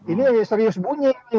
ini serius bunyi